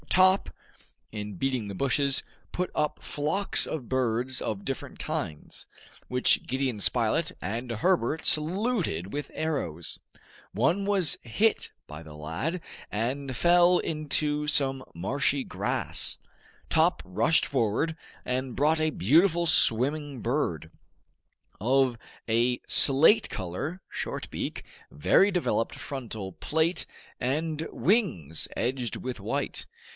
Top, in beating the bushes, put up flocks of birds of different kinds, which Gideon Spilett and Herbert saluted with arrows. One was hit by the lad, and fell into some marshy grass. Top rushed forward, and brought a beautiful swimming bird, of a slate color, short beak, very developed frontal plate, and wings edged with white.